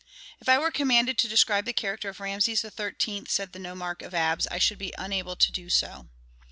"If I were commanded to describe the character of Rameses XIII.," said the nomarch of Abs, "I should be unable to do so."